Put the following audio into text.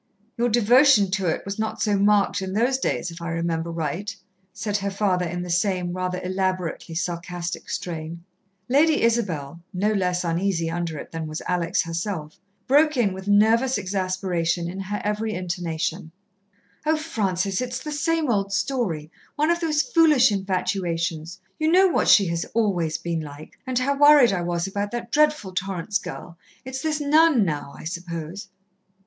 "Your devotion to it was not so marked in those days, if I remember right," said her father in the same, rather elaborately sarcastic strain. Lady Isabel, no less uneasy under it than was Alex herself, broke in with nervous exasperation in her every intonation: "Oh, Francis, it is the same old story one of those foolish infatuations. You know what she has always been like, and how worried I was about that dreadful Torrance girl. It's this nun now, I suppose."